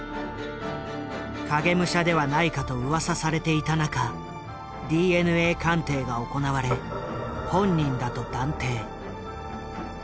影武者ではないかとうわさされていた中ＤＮＡ鑑定が行われ本人だと断定。